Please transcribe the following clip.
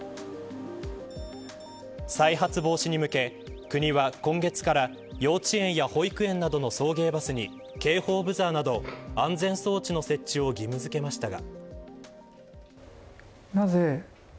再発防止に向け、国は今月から幼稚園や保育園などの送迎バスに警報ブザーなど安全装置の設置を義務付けましたが。